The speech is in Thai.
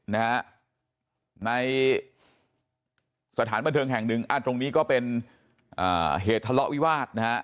นะฮะในสถานบันเทิงแห่งหนึ่งตรงนี้ก็เป็นอ่าเหตุทะเลาะวิวาสนะฮะ